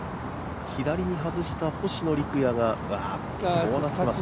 左に外した星野陸也がこうなっていますか。